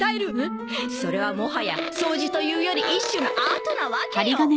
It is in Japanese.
それはもはやそうじというより一種のアートなわけよ。